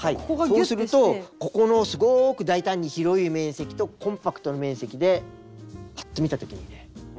はいそうするとここのすごく大胆に広い面積とコンパクトな面積でパッと見たときにね